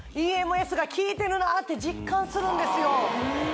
ＥＭＳが効いてるなって実感するんですよ